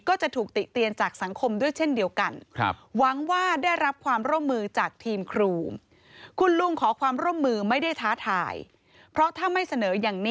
ก็จะถูกติเตียนจากสังคมด้วยเช่นเดียวกัน